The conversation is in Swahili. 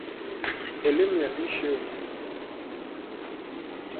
Elimu ya Lishe Umuhimu na Matumizi ya Viazi Vitamu